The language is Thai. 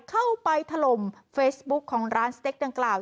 เข้าไปถล่มเฟซบุ๊คของร้านสเต็กดังกล่าว